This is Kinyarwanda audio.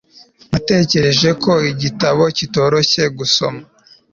natekereje ko igitabo kitoroshye gusoma